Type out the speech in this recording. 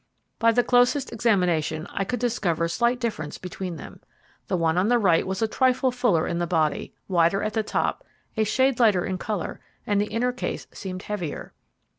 By the closest examination I could discover slight difference between them. The one on the right was a trifle fuller in the body, wider at the top, a shade lighter in colour, and the inner case seemed heavier.